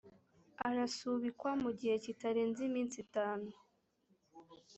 arasubikwa mu gihe kitarenze iminsi itanu